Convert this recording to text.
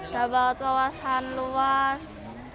dapat wawasan luas